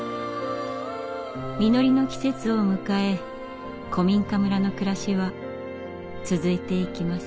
実りの季節を迎え古民家村の暮らしは続いていきます。